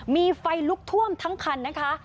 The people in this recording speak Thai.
มีไฟลุกท่วมทั้งคันนะคะ